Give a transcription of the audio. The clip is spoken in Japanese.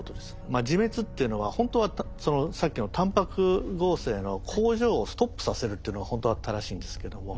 まあ自滅っていうのはほんとはさっきのタンパク合成の工場をストップさせるっていうのがほんとは正しいんですけども。